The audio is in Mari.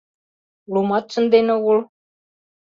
Лумат шынден огыл.